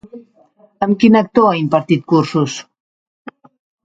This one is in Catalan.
Amb quin actor ha impartit cursos?